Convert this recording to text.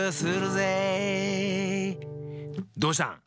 どうしたん？